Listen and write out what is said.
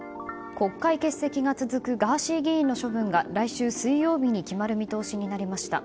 国会欠席が続くガーシー議員の処分が来週水曜日に決まる見通しとなりました。